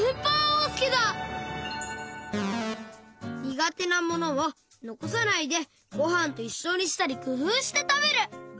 にがてなものをのこさないでごはんといっしょにしたりくふうしてたべる！